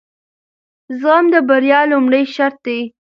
زغم د بریا لومړی شرط دی.